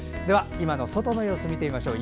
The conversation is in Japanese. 今の外の様子を見てみましょう。